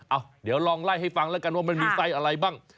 อ่ะเดี๋ยวลองไล่ให้ฟังแล้วกันว่ามันมีไส้อะไรบ้าง